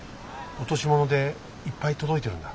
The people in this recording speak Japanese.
落とし物でいっぱい届いてるんだ。